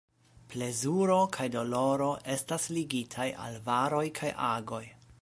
Plezuro kaj doloro estas ligitaj al varoj kaj agoj.